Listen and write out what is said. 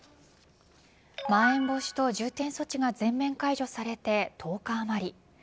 まん延防止等重点措置が全面解除されて、１０日あまり。